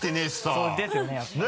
そう！ですよね？